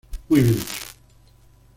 Muy bien hecho"".